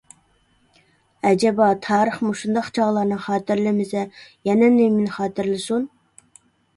ئەجەبا تارىخ مۇشۇنداق چاغلارنى خاتىرىلىمىسە، يەنە نېمىنى خاتىرىلىسۇن!